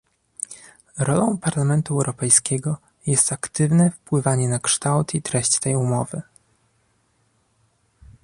Rolą Parlamentu Europejskiego jest aktywne wpływanie na kształt i treść tej umowy